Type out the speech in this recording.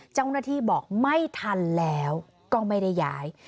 เจ้าหน้าที่บอกไม่ทันแล้วก็ไม่ได้ย้าย